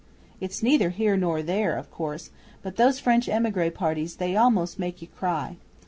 It's neither here nor there, of course, but those French emigre parties they almost make you cry.